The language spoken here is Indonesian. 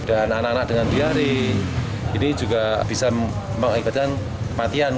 dan anak anak dengan diare ini juga bisa mengakibatkan kematian